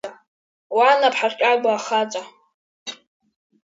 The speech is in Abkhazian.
Уа Наԥҳа Кьагәа ахаҵа!